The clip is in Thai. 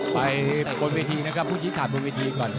ไปบนวีธีนะครับผู้ชิดขาดบนวีธีก่อน